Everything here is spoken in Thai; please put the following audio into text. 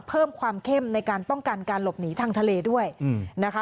เพิ่มความเข้มในการป้องกันการหลบหนีทางทะเลด้วยนะคะ